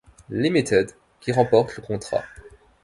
Limited qui remporte le contrat.